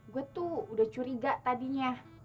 gue tuh udah curiga tadinya